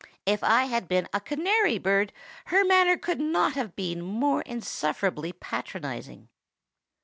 If I had been a canary bird, her manner could not have been more insufferably patronizing.